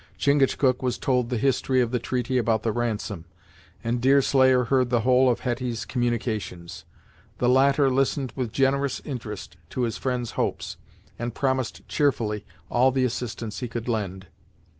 Chingachgook was told the history of the treaty about the ransom, and Deerslayer heard the whole of Hetty's communications. The latter listened with generous interest to his friend's hopes, and promised cheerfully all the assistance he could lend.